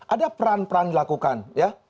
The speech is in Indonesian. ada peran peran dilakukan ya